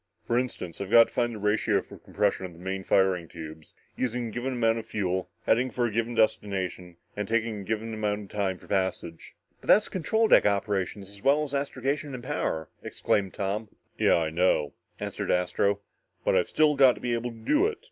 "For instance, I've got to find the ratio for compression on the main firing tubes, using a given amount of fuel, heading for a given destination, and taking a given time for the passage." "But that's control deck operations as well as astrogation and power!" exclaimed Tom. "Yeah I know," answered Astro, "but I've still got to be able to do it.